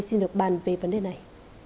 xin được bàn về vấn đề này